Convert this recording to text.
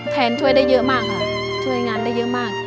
แทนช่วยได้เยอะมากค่ะช่วยงานได้เยอะมาก